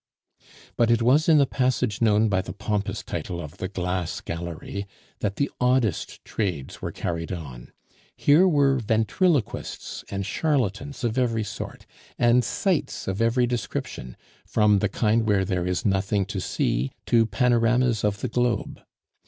But it was in the passage known by the pompous title of the "Glass Gallery" that the oddest trades were carried on. Here were ventriloquists and charlatans of every sort, and sights of every description, from the kind where there is nothing to see to panoramas of the globe.